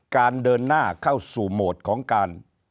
การเดินหน้าเข้าสู่โหมดของการ